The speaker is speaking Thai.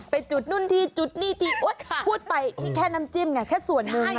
ไปจุดนู่นที่จุดนี่ที่พูดไปนี่แค่น้ำจิ้มไงแค่ส่วนหนึ่ง